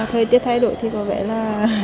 thời tiết thay đổi thì có vẻ là